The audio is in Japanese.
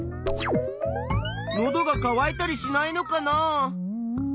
のどがかわいたりしないのかな？